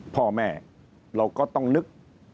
พ่อแม่เราก็ต้องนึก